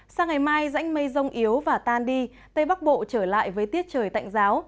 sang ngày mai rãnh mây rông yếu và tan đi tây bắc bộ trở lại với tiết trời tạnh giáo